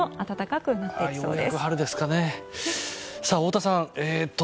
さあ、太田さん